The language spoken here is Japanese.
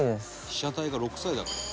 「被写体が６歳だから」